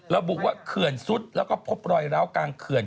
ระบุว่าเขื่อนซุดแล้วก็พบรอยร้าวกลางเขื่อน